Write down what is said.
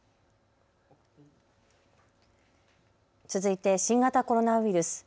続いて新型コロナウイルス。